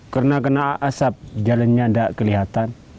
karena kena asap jalannya tidak kelihatan